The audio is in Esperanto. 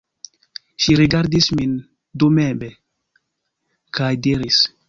Ŝi rigardis min dubeme kaj diris: